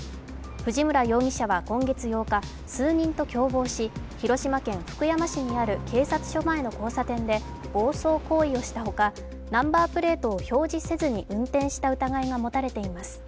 藤村容疑者は今月８日、数人と共謀し、広島県福山市にある警察署前の交差点で暴走行為をしたほかナンバープレートを表示せずに運転した疑いがもたれています。